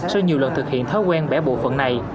sau nhiều lần thực hiện thói quen bẻ bộ phận này